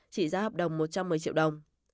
trị giá hợp đồng một trăm một mươi triệu đồng